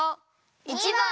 １ばん！